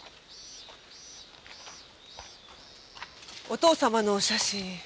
お父様のお写真